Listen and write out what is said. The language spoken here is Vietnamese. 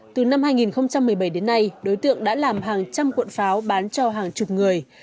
từ năm hai nghìn một mươi bảy đến nay đối tượng đã làm hàng trăm cuộn pháo bán cho hàng chục người